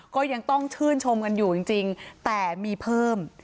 ก็ยังต้องชื่นชมกันอยู่จริงแต่มีเพิ่ม